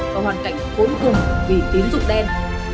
vào hoàn cảnh cuốn cùng vì tín dụng đen